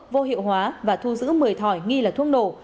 vô hiệu hóa và thu giữ một mươi thỏi nghi là thuốc nổ